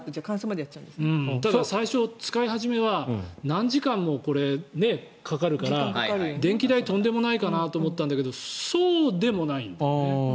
最初、使い始めは何時間もこれ、かかるから電気代がとんでもないかなと思ったんだけどそうでもないんだよね。